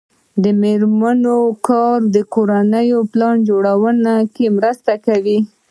د میرمنو کار د کورنۍ پلان جوړونې مرسته کوي.